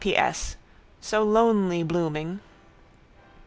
P. S. So lonely blooming.